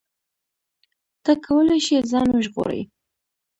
ته کولی شې ځان وژغورې.